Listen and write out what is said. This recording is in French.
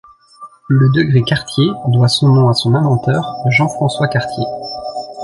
Le degré Cartier doit son nom à son inventeur, Jean-François Cartier.